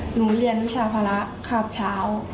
หนูเรียนวิชาภาระครับเช้า